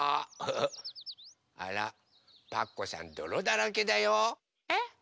あらパクこさんどろだらけだよ。えっ？